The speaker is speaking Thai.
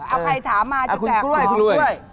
อ๋าใครถามมาจะแจกหลอง